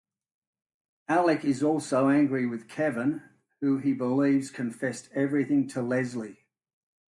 Alec is also angry with Kevin, who he believes confessed everything to Leslie.